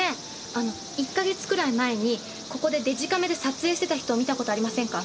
あの１か月くらい前にここでデジカメで撮影してた人を見た事ありませんか？